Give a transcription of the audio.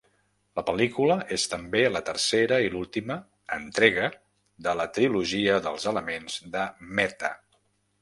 La pel·lícula és també la tercera i l'última entrega de la "Trilogia dels elements" de Mehta.